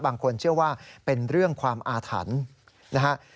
บางคนเชื่อว่าเป็นเรื่องความอาถรรพ์นะฮะ